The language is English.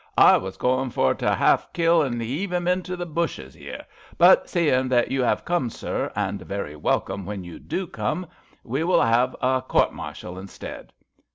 *' I was going for to half kill an' 'eave 'im into the bushes 'ere, but, seein' that you 'ave come, sir, and very wel come when you do come, we will 'ave a court 102 ABAFT THE FUNNEL martial instead.